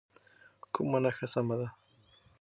کومه نښه سمه ده؟